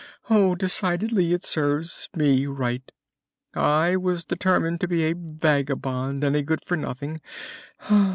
Decidedly, it serves me right! I was determined to be a vagabond and a good for nothing.